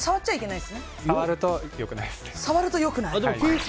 触るとよくないですね。